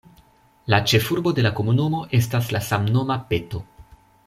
La ĉefurbo de la komunumo estas la samnoma Peto.